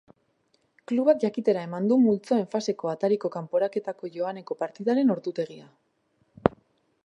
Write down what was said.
Klubak jakitera eman du multzoen faseko ataraiko kanporaketako joaneko partidaren ordutegia.